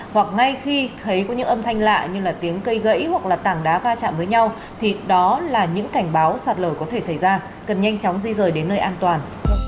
hoặc ngay khi thấy có những âm thanh lạ như là tiếng cây gãy hoặc là tảng đá va chạm với nhau thì đó là những cảnh báo sạt lở có thể xảy ra cần nhanh chóng di rời đến nơi an toàn